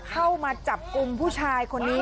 เข้ามาจับกลุ่มผู้ชายคนนี้